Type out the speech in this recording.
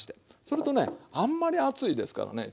それとねあんまり熱いですからね